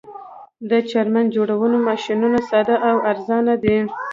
د څرمن جوړونې ماشینونه ساده او ارزانه دي